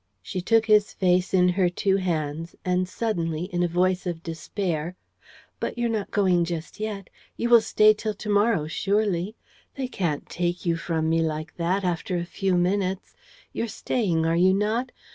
..." She took his face in her two hands and, suddenly, in a voice of despair: "But you are not going just yet? You will stay till to morrow, surely? They can't take you from me like that, after a few minutes? You're staying, are you not?